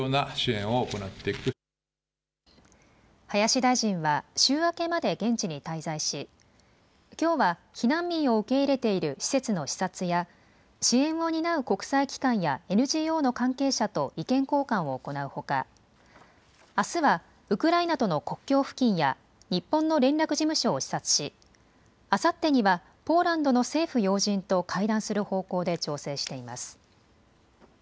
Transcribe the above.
林大臣は週明けまで現地に滞在しきょうは避難民を受け入れている施設の視察や支援を担う国際機関やＮＧＯの関係者と意見交換を行うほかあすはウクライナとの国境付近や日本の連絡事務所を視察しあさってにはポーランドの政府要人と会談する方向で調整しています。